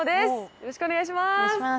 よろしくお願いします。